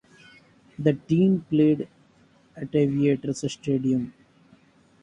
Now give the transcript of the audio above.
The team played at Aviators Stadium.